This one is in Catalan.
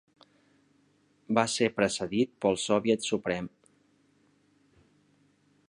Va ser precedit pel Soviet Suprem.